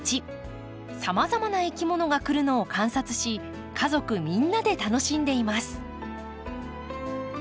さまざまないきものが来るのを観察し家族みんなで楽しんでいます。